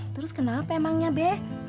terus kenapa emangnya be